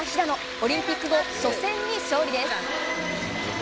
オリンピック後初戦に勝利です。